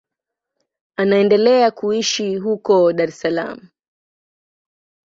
Anaendelea kuishi huko Dar es Salaam.